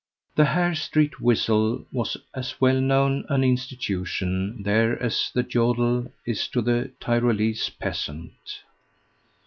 The Hare Street whistle was as well known an institution there as the jödel is to the Tyrolese peasant.